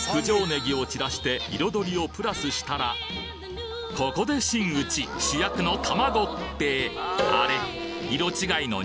ねぎをちらして彩りをプラスしたらここで真打ち主役の卵ってあれ？